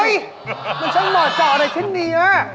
มันช่างหมอจ่าอะไรชิ้นนี่น่ะ